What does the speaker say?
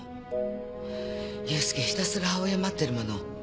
ひたすら母親を待ってるもの。